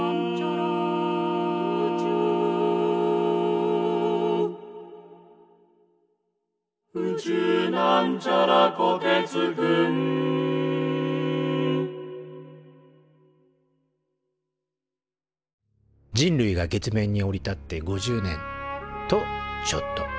「宇宙」人類が月面に降り立って５０年！とちょっと。